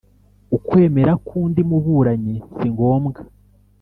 Ukwemera k undi muburanyi si ngombwa